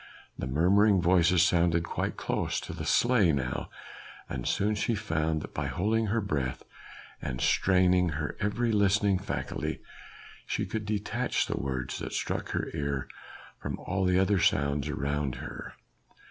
The murmuring voices sounded quite close to the sleigh now, and soon she found that by holding her breath, and straining her every listening faculty she could detach the words that struck her ear from all the other sounds around her.